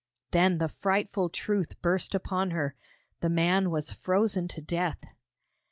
Then the frightful truth burst upon her. The man was frozen to death!